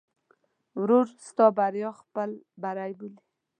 ورور ستا بریا خپل بری بولي.